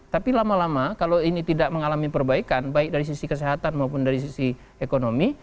tapi lama lama kalau ini tidak mengalami perbaikan baik dari sisi kesehatan maupun dari sisi ekonomi